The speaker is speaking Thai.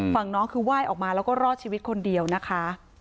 ฝั่งน้องคือไหว้ออกมาแล้วก็รอดชีวิตคนเดียวนะคะ